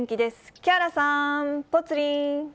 木原さん、ぽつリン。